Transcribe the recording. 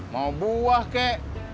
mau buah kek